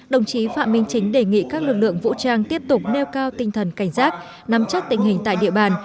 đồng chí phạm minh chính đề nghị các lực lượng vũ trang tiếp tục nêu cao tinh thần cảnh giác nắm chắc tình hình tại địa bàn